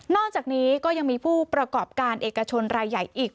อกจากนี้ก็ยังมีผู้ประกอบการเอกชนรายใหญ่อีก